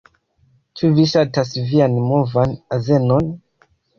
Ĉu vi ŝatas vian novan azenon?